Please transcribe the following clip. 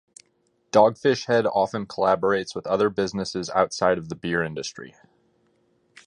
Dogfish Head often collaborates with other businesses outside of the beer industry.